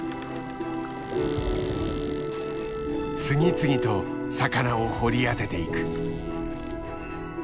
次々と魚を掘り当てていく。